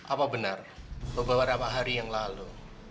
apa benar beberapa hari yang lalu